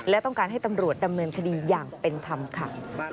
และต้องการให้ตำรวจดำเนินคดีอย่างเป็นธรรมค่ะ